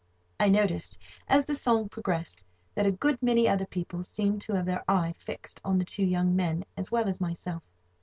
I noticed, as the song progressed, that a good many other people seemed to have their eye fixed on the two young men, as well as myself.